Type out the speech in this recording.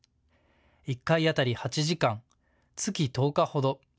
１回当たり８時間、月１０日ほど。